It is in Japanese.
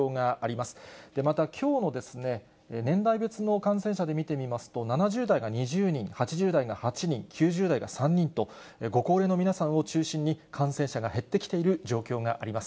また、きょうの年代別の感染者で見てみますと、７０代が２０人、８０代が８人、９０代が３人と、ご高齢の皆さんを中心に感染者が減ってきている状況があります。